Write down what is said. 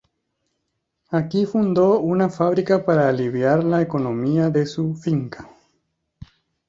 Aquí fundó una fábrica para aliviar la economía de su finca.